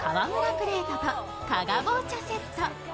プレートと加賀棒茶セット。